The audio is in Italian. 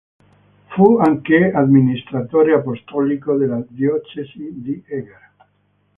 Fu anche amministratore apostolico della diocesi di Eger.